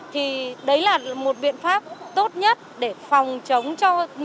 thì đấy là một biện pháp tốt nhất để phòng chống cho